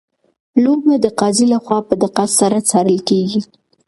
لوبه د قاضي لخوا په دقت سره څارل کیږي.